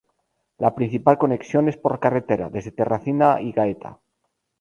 La principal conexión es por carretera, desde Terracina y Gaeta.